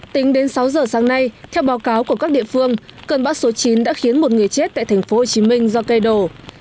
tính đến sáu giờ sáng nay theo báo cáo của các địa phương cơn bão số chín đã khiến một người chết tại thành phố hồ chí minh do cây đồ